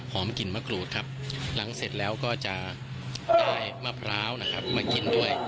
กลิ่นมะกรูดครับหลังเสร็จแล้วก็จะได้มะพร้าวนะครับมากินด้วย